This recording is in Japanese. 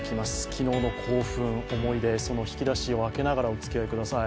昨日の興奮、思い出その引き出しを開けながらおつきあいください